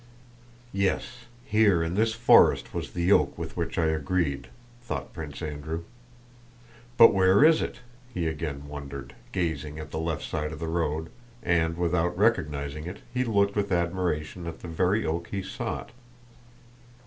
"Yes, here in this forest was that oak with which I agreed," thought Prince Andrew. "But where is it?" he again wondered, gazing at the left side of the road, and without recognizing it he looked with admiration at the very oak he sought.